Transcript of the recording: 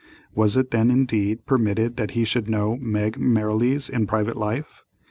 Was it then, indeed, permitted that he should know Meg Merrilees in private life?